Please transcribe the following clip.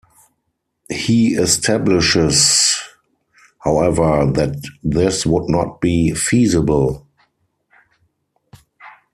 He establishes, however, that this would not be feasible.